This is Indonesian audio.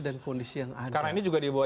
dan kondisi yang ada karena ini juga di bawah